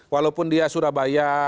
walaupun dia surabaya